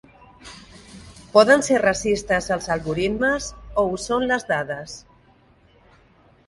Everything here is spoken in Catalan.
Poden ser racistes els algoritmes, o ho són les dades?